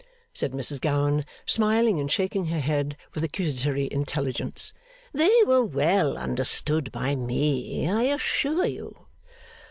said Mrs Gowan, smiling and shaking her head with accusatory intelligence, 'they were well understood by me, I assure you.